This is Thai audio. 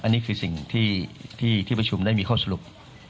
อันนี้คือสิ่งที่ที่ประชุมได้มีข้อสรุป